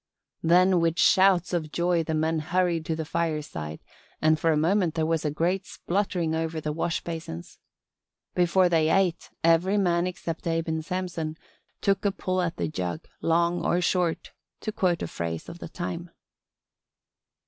Then with shouts of joy the men hurried to the fireside and for a moment there was a great spluttering over the wash basins. Before they ate every man except Abe and Samson "took a pull at the jug long or short" to quote a phrase of the time.